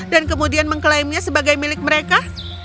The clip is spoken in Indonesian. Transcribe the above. dan kemudian mengklaimnya sebagai milik mereka